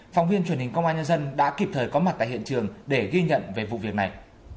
phóng viên truyền hình công an nhân dân đã kịp thời có mặt tại hiện trường để ghi nhận về vụ việc này